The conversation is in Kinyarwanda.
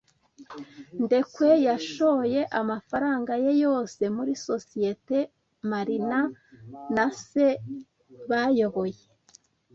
Ndekwe yashoye amafaranga ye yose muri sosiyete Marina na se bayoboye.